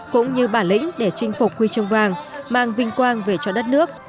cũng như bản lĩnh để chinh phục quy trương vàng mang vinh quang về cho đất nước